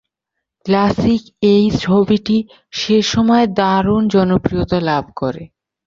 Classic এই ছবিটি সেসময় দারুন জনপ্রিয়তা লাভ করে।